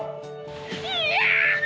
いや！